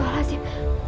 dan dua rasif